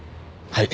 はい。